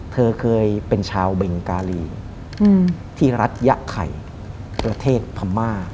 เธอเคยเป็นชาวเบงการีที่รัฐยะไข่ประเทศพม่า